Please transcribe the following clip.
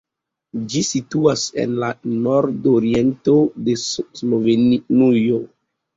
Ĝi situas en la nordoriento de Slovenujo.